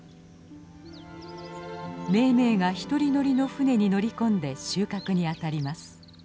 めいめいが１人乗りの舟に乗り込んで収穫にあたります。